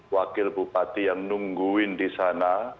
wakil bupati yang nungguin di sana